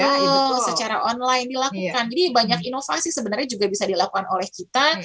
ya secara online dilakukan jadi banyak inovasi sebenarnya juga bisa dilakukan oleh kita